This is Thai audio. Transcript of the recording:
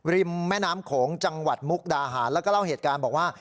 แม่น้ำโขงจังหวัดมุกดาหารแล้วก็เล่าเหตุการณ์บอกว่า